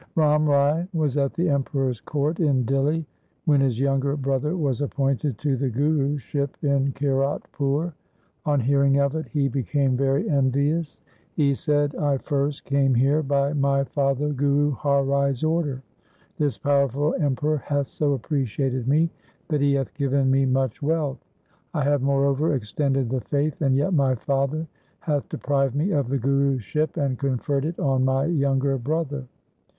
Ram Rai was at the Emperor's court in Dihli when his younger brother was appointed to the Guruship in Kiratpur. On hearing of it be became very envious. He said, ' I first came here by my father Guru Har Rai's order. This powerful Em peror hath so appreciated me that he hath given me much wealth. I have moreover extended the faith, and yet my father hath deprived me of the Guru ship and conferred it on my younger brother.'